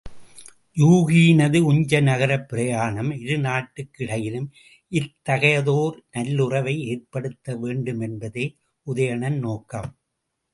யூகியினது உஞ்சை நகரப் பிரயாணம் இரு நாட்டுக்கு இடையிலும் இத்தகையதோர் நல்லுறவை ஏற்படுத்த வேண்டுமென்பதே உதயணன் நோக்கம்.